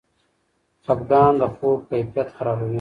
خفګان د خوب کیفیت خرابوي.